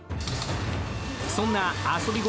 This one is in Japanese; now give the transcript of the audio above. そんな遊び心